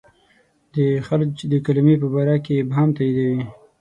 د خلج د کلمې په باره کې ابهام تاییدوي.